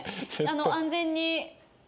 安全にあ。